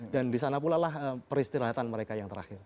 dan disanalah peristirahatan mereka yang terakhir